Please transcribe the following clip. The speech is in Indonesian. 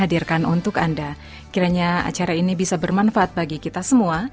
akhirnya acara ini bisa bermanfaat bagi kita semua